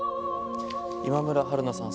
今村春菜さん